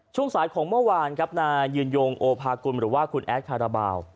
ช่วงสายของเมื่อวานครับนายยืนยงโอภากุลหรือว่าคุณแอดคาราบาล